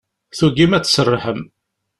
Tugim ad tserrḥem.